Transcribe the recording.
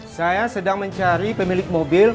saya sedang mencari pemilik mobil